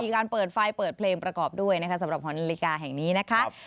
การเปิดไฟเปิดเพลงประกอบด้วยนะคะสำหรับหอนาฬิกาแห่งนี้นะคะ